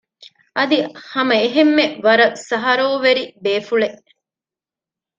އަދި ހަމަ އެހެންމެ ވަރަށް ސަހަރޯވެރި ބޭފުޅެއް